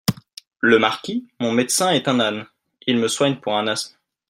Le Marquis, Mon médecin est un âne… il me soigne pour un asthme…